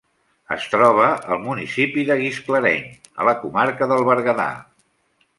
Es troba al municipi de Gisclareny, a la comarca del Berguedà.